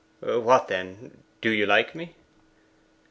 'What, then? Do you like me?